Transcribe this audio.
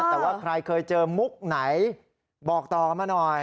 แต่ว่าใครเคยเจอมุกไหนบอกต่อกันมาหน่อย